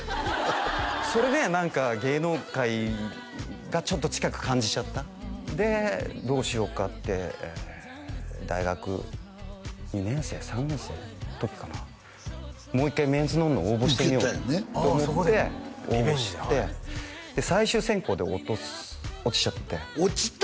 それで何か芸能界がちょっと近く感じちゃったでどうしようかって大学２年生３年生の時かなもう一回「メンズノンノ」応募してみようと思って応募してで最終選考で落ちちゃって落ちた！？